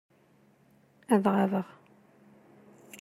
Ad ɣabeɣ.